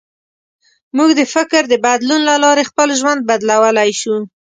موږ د فکر د بدلون له لارې خپل ژوند بدلولی شو.